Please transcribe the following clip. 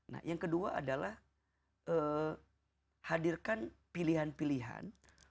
nah yang kedua adalah hadirkan pilihan pilihan